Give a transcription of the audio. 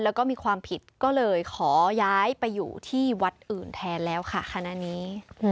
แล้วก็มีความผิดก็เลยขอย้ายไปอยู่ที่วัดอื่นแทนแล้วค่ะคณะนี้